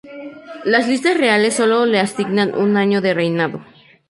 Las listas reales sólo le asignan un año de reinado.